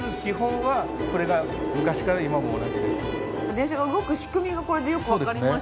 電車が動く仕組みがこれでよくわかりました。